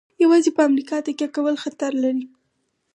یوازې په امریکا تکیه کول خطر لري.